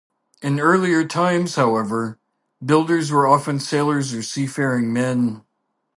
In earlier times, however, builders were often sailors or seafaring men.